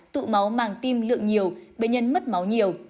tụ máu màng tim lượng nhiều bệnh nhân mất máu nhiều